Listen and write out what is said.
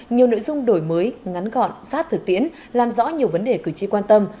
nhiều nội dung đổi mới ngắn gọn sát thực tiễn làm rõ nhiều vấn đề cử tri quan tâm